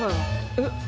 えっ？